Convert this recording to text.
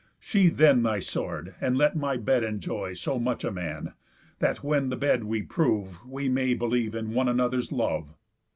Sheathe then thy sword, and let my bed enjoy So much a man, that when the bed we prove, We may believe in one another's love.